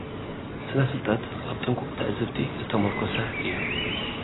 ስነ ፍልጠት፡ ኣብ ጥንቁቕ ትዕዝብቲ እተሞርኮሰ እዩ።